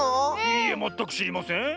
いいえまったくしりません。